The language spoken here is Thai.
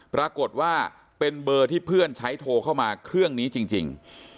ปรากฏว่าเป็นเบอร์ที่เพื่อนใช้โทรเข้ามาเครื่องนี้จริง